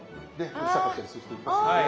うるさかったりする人いますよね。